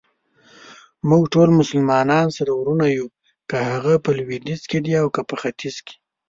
موږټول مسلمانان سره وروڼه يو ،که هغه په لويديځ کې دي اوکه په ختیځ.